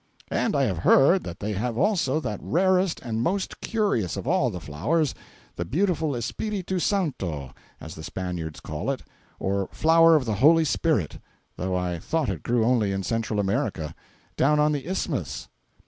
And I have heard that they have also that rarest and most curious of all the flowers, the beautiful Espiritu Santo, as the Spaniards call it—or flower of the Holy Spirit—though I thought it grew only in Central America—down on the Isthmus.